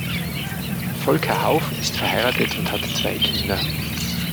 Volker Hauff ist verheiratet und hat zwei Kinder.